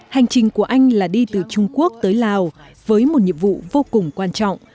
hành trình của anh là đi từ trung quốc tới lào với một nhiệm vụ vô cùng quan trọng